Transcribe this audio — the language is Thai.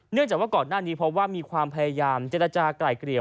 เนื่องจากว่าก่อนหน้านี้เพราะว่ามีความพยายามเจฬจากไกลเกลี่ยม